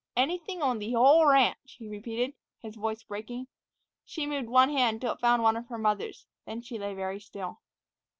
"Anything on th' whole ranch," he repeated, his voice breaking. She moved one hand till it found one of her mother's, then she lay very still.